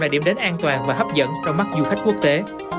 là điểm đến an toàn và hấp dẫn trong mắt du khách quốc tế